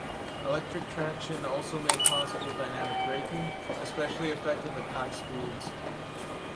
Electric traction also made possible dynamic braking, especially effective at high speeds.